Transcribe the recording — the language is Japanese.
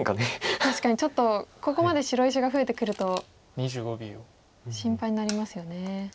確かにちょっとここまで白石が増えてくると心配になりますよね。